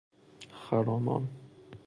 خرامان